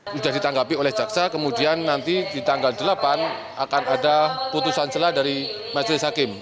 sudah ditanggapi oleh jaksa kemudian nanti di tanggal delapan akan ada putusan jelas dari majelis hakim